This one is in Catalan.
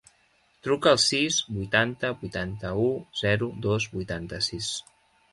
Truca al sis, vuitanta, vuitanta-u, zero, dos, vuitanta-sis.